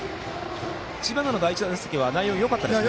知花の第１打席は内容がよかったですね。